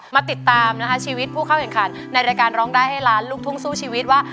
มาติดตามนะคะชีวิตผู้เข้าแข่งขันในรายการร้องได้ให้ล้านลูกทุ่งสู้ชีวิตว่า